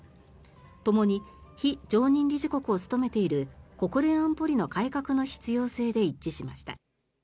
ともに非常任理事国を務めている国連安保理の改革の必要性で一致しました。